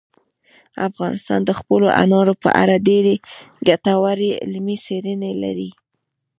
افغانستان د خپلو انارو په اړه ډېرې ګټورې علمي څېړنې لري.